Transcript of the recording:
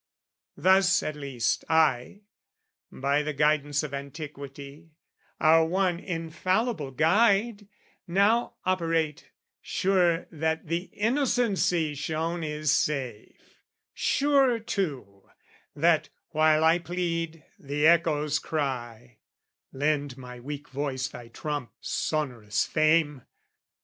Thus at least I, by the guidance of antiquity, (Our one infallible guide) now operate, Sure that the innocency shown is safe; Sure, too, that, while I plead, the echoes cry (Lend my weak voice thy trump, sonorous Fame!)